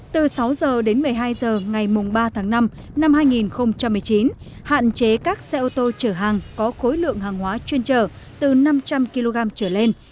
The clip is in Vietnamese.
từ sáu h đến một mươi hai h ngày ba tháng năm năm hai nghìn một mươi chín hạn chế các xe ô tô chở hàng có khối lượng hàng hóa chuyên trở từ năm trăm linh kg trở lên